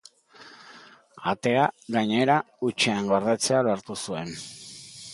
Atea, gainera, hutsean gordetzea lortu du.